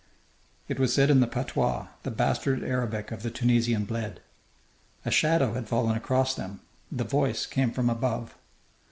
It was said in the patois, the bastard Arabic of the Tunisian bled. A shadow had fallen across them; the voice came from above.